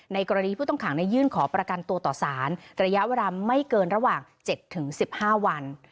กรณีผู้ต้องขังยื่นขอประกันตัวต่อสารระยะเวลาไม่เกินระหว่าง๗๑๕วัน